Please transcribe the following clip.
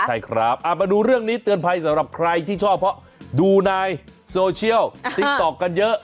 ใช่ครับมาดูเรื่องนี้เตือนภัยสำหรับใครที่ชอบเพราะดูในโซเชียลติ๊กต๊อกกันเยอะ